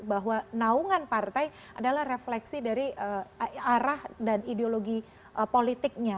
bahwa naungan partai adalah refleksi dari arah dan ideologi politiknya